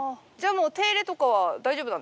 もう手入れとかは大丈夫なんですか？